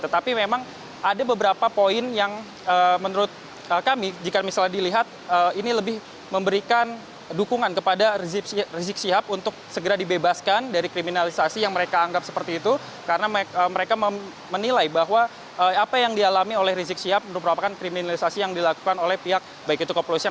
terima kasih kepada ulama atas kepercayaan yang begitu dikas